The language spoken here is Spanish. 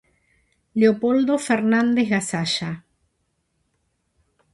Leopoldo Fernández Gasalla.